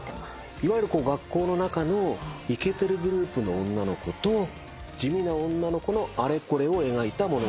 いわゆる学校の中のイケてるグループの女の子と地味な女の子のあれこれを描いた物語と考えればいい？